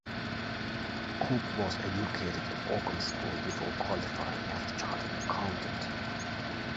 Cope was educated at Oakham School before qualifying as a Chartered Accountant.